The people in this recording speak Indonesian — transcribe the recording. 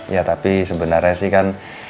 ya tapi sebenarnya sih kan